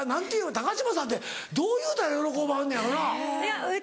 高嶋さんってどう言うたら喜ばはんのやろな？